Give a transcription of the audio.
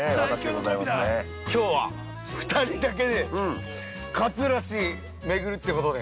◆きょうは２人だけで勝浦市、めぐるってことで。